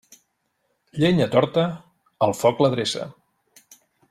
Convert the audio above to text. Llenya torta, el foc l'adreça.